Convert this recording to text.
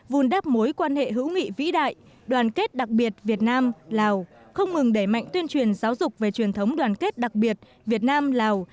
vùn đắp mối quan hệ hữu nghị vĩ đại đoàn kết đặc biệt việt nam lào không ngừng để mạnh tuyên truyền giáo dục về truyền thống đoàn kết đặc biệt việt nam lào